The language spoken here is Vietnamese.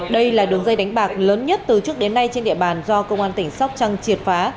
đây là đường dây đánh bạc lớn nhất từ trước đến nay trên địa bàn do công an tỉnh sóc trăng triệt phá